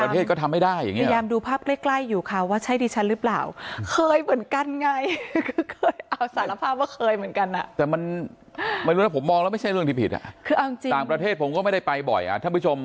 ทำไม่ถูกไปต่างประเทศก็ทำไม่ได้อย่างนี้